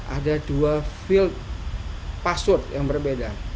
ada dua field password yang berbeda